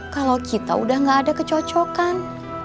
kalau kita udah gak ada kecocokan